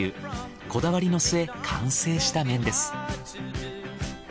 こだわりのすえ完成した麺です。